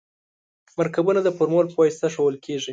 مرکبونه د فورمول په واسطه ښودل کیږي.